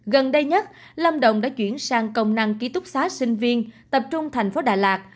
gần đây nhất lâm đồng đã chuyển sang công năng ký túc xá sinh viên tập trung thành phố đà lạt